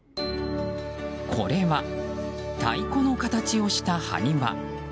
これは太鼓の形をした埴輪。